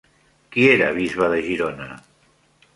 Qui era bisbe de Girona?